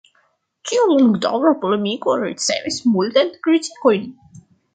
Tiu longdaŭra polemiko ricevis multajn kritikojn.